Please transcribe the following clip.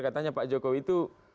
katanya pak jokowi itu